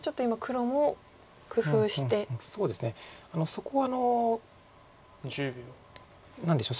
そこ何でしょう。